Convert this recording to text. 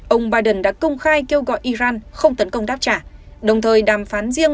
ông biden đã công khai kêu gọi iran không tấn công đáp trả đồng thời đàm phán riêng